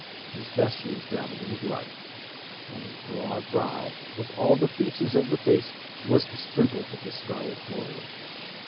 His vesture was dabbled in blood—and his broad brow, with all the features of the face, was besprinkled with the scarlet horror.